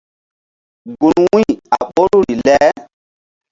Gun wu̧y a ɓoruri le.